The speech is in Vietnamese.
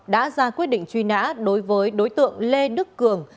đã ra quyết định truy nã đối với đối tượng lê đức cường